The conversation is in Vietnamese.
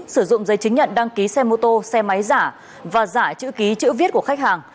sử dụng giấy chứng nhận đăng ký xe mô tô xe máy giả và giả chữ ký chữ viết của khách hàng